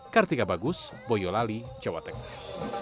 kartika bagus boyolali jawa tengah